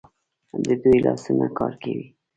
د دوی لاسونه کار کوي.